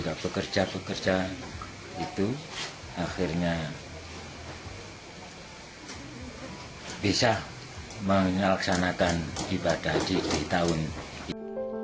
dia juga bisa menjalankan ibadah haji tahun ini